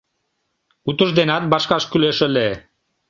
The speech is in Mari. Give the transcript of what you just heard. Утыжденат вашкаш кӱлеш ыле.